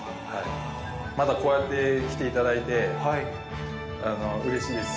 またこうやって来ていただいて、うれしいです。